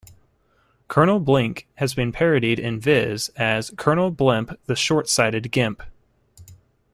Colonel Blink has been parodied in Viz as "Colonel Blimp the short-sighted gimp".